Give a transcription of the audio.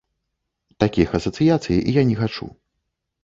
Такіх асацыяцый я не хачу.